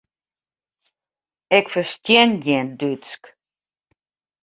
Ik ferstean gjin Dútsk.